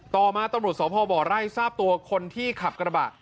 ต่อมาตำรวจสาวพ่อบ่อไล่ทราบตัวคนที่ขับกระบาด